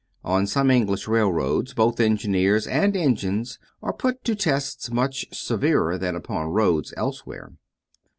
On some English railroads both engineers and engines are put to tests much severer than upon roads elsewhere.